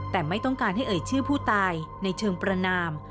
แต่ไม่ต้องการให้เอ่ยชื่อผู้ตายในเชิงประนาม